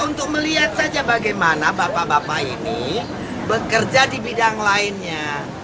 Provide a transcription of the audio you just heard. untuk melihat saja bagaimana bapak bapak ini bekerja di bidang lainnya